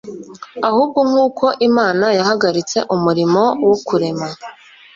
ahubwo nkuko Imana yahagaritse umurimo wo kurema